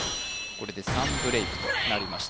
これで３ブレイクとなりました